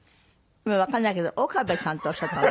わかんないけどオカベさんっておっしゃったの？